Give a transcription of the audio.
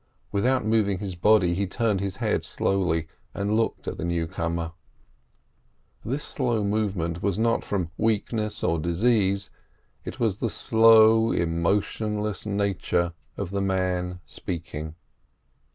Without moving his body, he turned his head slowly and looked at the newcomer. This slow movement was not from weakness or disease, it was the slow, emotionless nature of the man speaking.